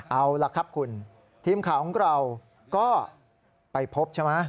เอาล่ะครับคุณทีมข่าวของเราก็ไปพบใช่ไหม